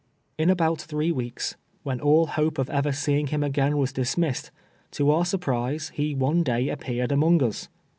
In about three weeks, when all hope of ever seeing him again was dismissed, to our surprise, he one day appeared among us.